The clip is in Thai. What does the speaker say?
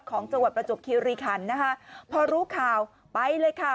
ของจังหวัดประจบคิริคันนะคะพอรู้ข่าวไปเลยค่ะ